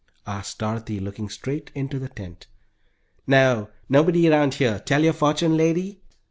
asked Dorothy, looking straight into the tent. "No, nobody round here. Tell your fortune, lady?"